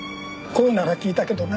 声なら聞いたけどな。